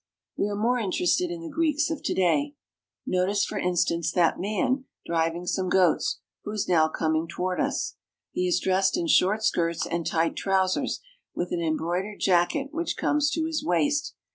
We are more interested in the Greeks of to day. Notice, for instance, that man driving some goats, who is now "— a portico upheld by tall Grecian maidens in marble." coming toward us. He is dressed in short skirts and tight trousers, with an embroidered jacket which comes to his waist.